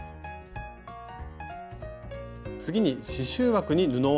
次に刺しゅう枠に布を張ります。